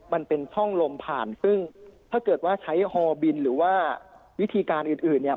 มันเป็นช่องลมผ่านซึ่งถ้าเกิดว่าใช้ฮอบินหรือว่าวิธีการอื่นอื่นเนี่ย